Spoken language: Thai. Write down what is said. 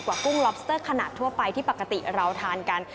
กุ้งล็อบสเตอร์ขนาดทั่วไปที่ปกติเราทานกัน